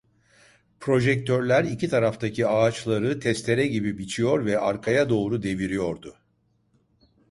Projektörler iki taraftaki ağaçları testere gibi biçiyor ve arkaya doğru deviriyordu.